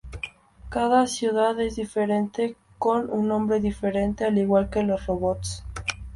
Cada ciudad es diferente con un nombre diferente al igual que los robots.